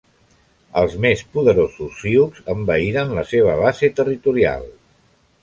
Els més poderosos sioux envaïren la seva base territorial.